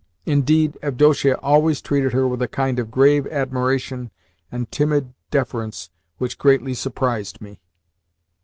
Indeed, Avdotia always treated her with a kind of grave admiration and timid deference which greatly surprised me.